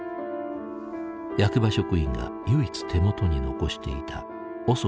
役場職員が唯一手元に残していたＯＳＯ１８の牙。